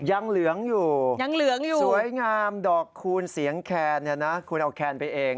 ยังเหลืองอยู่สวยงามดอกคูณเสียงแคนคุณเอาแคนไปเอง